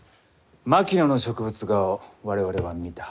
槙野の植物画を我々は見た。